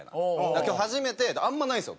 今日初めてあんまないんですよ